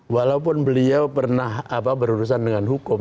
walaupun beliau pernah berurusan dengan hukum